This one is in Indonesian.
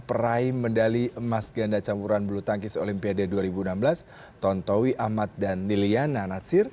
peraih medali emas ganda campuran bulu tangkis olimpiade dua ribu enam belas tontowi ahmad dan liliana natsir